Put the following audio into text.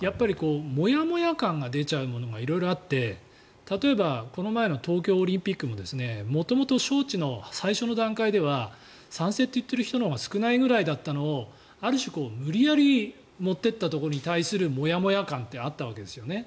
もやもや感が出ちゃうものが色々あって例えばこの前の東京オリンピックも招致の最初の段階では賛成といっている人が少ないぐらいだったのを、ある種無理やり持っていったところに対するモヤモヤ感ってあったわけですよね。